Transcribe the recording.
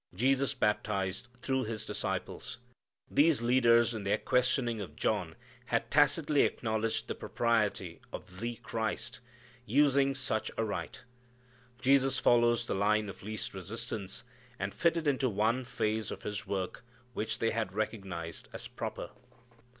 Jesus baptized through His disciples. These leaders in their questioning of John had tacitly acknowledged the propriety of "the Christ" using such a rite. Jesus follows the line of least resistance, and fitted into the one phase of His work which they had recognized as proper.